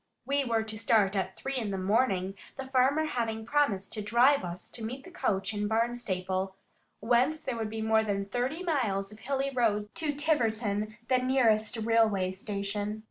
We were to start at three in the morning, the farmer having promised to drive us to meet the coach in Barnstaple, whence there would be more than thirty miles of hilly road to Tiverton, the nearest railway station.